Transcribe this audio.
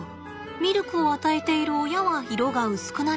ミルクを与えている親は色が薄くなるんです。